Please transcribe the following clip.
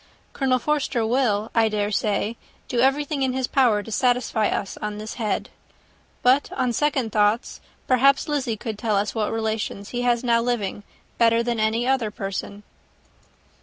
Colonel Forster will, I dare say, do everything in his power to satisfy us on this head. But, on second thoughts, perhaps Lizzy could tell us what relations he has now living better than any other person."